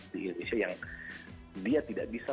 di indonesia yang dia tidak bisa